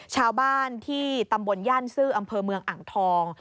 ชาวบ้านที่ตำบลย่านซื่ออำเภอเมืองอ่างทอง